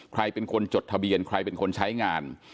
ใครเป็นคนจดทะเบียนใครเป็นคนใช้งาน